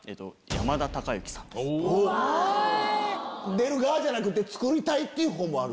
出る側じゃなくて作りたいっていうほうもある。